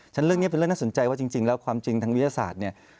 ฉะเรื่องนี้เป็นเรื่องน่าสนใจว่าจริงแล้วความจริงทางวิทยาศาสตร์เนี่ย